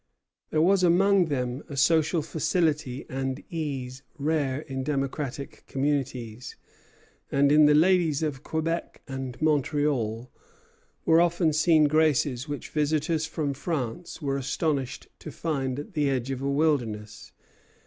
There was among them a social facility and ease rare in democratic communities; and in the ladies of Quebec and Montreal were often seen graces which visitors from France were astonished to find at the edge of a wilderness.